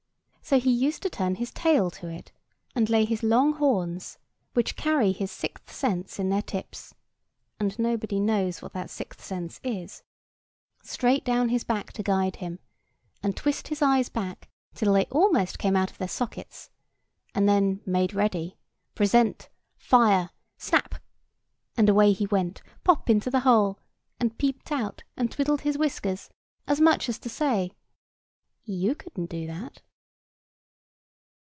So he used to turn his tail to it, and lay his long horns, which carry his sixth sense in their tips (and nobody knows what that sixth sense is), straight down his back to guide him, and twist his eyes back till they almost came out of their sockets, and then made ready, present, fire, snap!—and away he went, pop into the hole; and peeped out and twiddled his whiskers, as much as to say, "You couldn't do that."